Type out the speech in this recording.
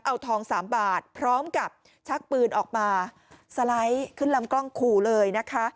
เอาทองสามบาทพร้อมกับชักปืนออกมาสไลด์ขึ้นลำกล้องขู่เลยนะคะ